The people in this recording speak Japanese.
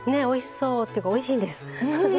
おいしそうっていうかおいしいんです。